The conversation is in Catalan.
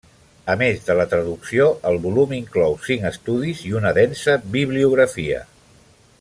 A més de la traducció, el volum inclou cinc estudis i una densa bibliografia.